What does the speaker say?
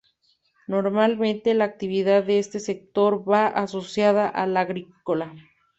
Normalmente la actividad de este sector va asociada a la agrícola.